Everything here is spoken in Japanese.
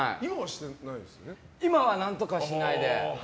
今は何とか、しないで。